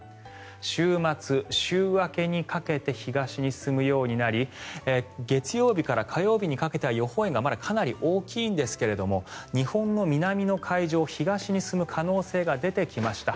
週末、週明けにかけて東に進むようになり月曜日から火曜日にかけては予報円がまだかなり大きいんですが日本の南の海上東に進む可能性が出てきました。